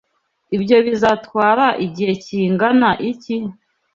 Ibyo bizatwara igihe kingana iki?